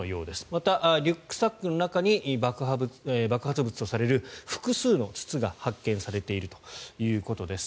また、リュックサックの中に爆発物とされる複数の筒が発見されているということです。